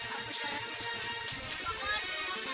kamu harus memakai sahabatmu